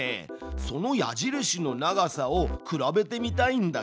その矢印の長さを比べてみたいんだけど。